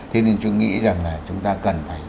thế nhưng chúng nghĩ rằng là chúng ta cần phải